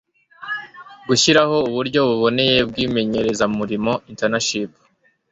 gushyiraho uburyo buboneye bw'imenyerezamurimo (internship